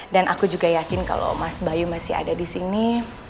dan aku juga yakin kalau mas bayu masih ada disini